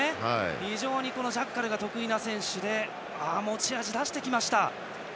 非常にジャッカルが得意な選手で持ち味を出してきました。